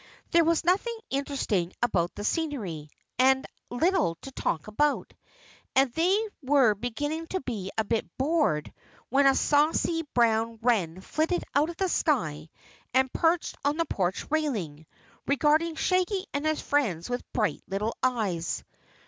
There was nothing interesting about the scenery, and little to talk about, and they were beginning to be a bit bored when a saucy brown wren flitted out of the sky and perched on the porch railing, regarding Shaggy and his friends with bright little eyes.